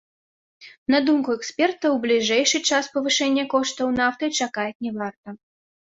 На думку эксперта, у бліжэйшы час павышэння коштаў нафты чакаць не варта.